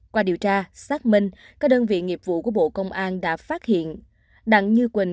qua điều tra xác minh các đơn vị nghiệp vụ của bộ công an đã phát hiện đặng như quỳnh